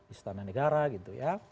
istana negara gitu ya